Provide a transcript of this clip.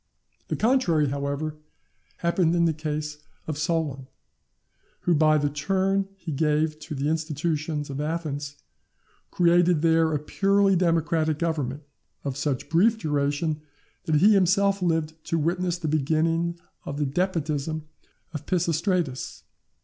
The contrary, however, happened in the case of Solon; who by the turn he gave to the institutions of Athens, created there a purely democratic government, of such brief duration, that he himself lived to witness the beginning of the despotism of Pisistratus.